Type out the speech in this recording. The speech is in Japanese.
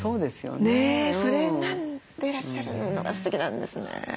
ねえそれなんでいらっしゃるのがすてきなんですね。